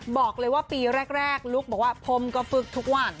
บอกเลยว่าปีแรกลุคบอกว่าผมก็ฝึกทุกวัน